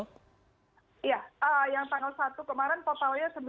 apakah sudah ada rencana untuk kembali menambah jumlah perjalanan dari krl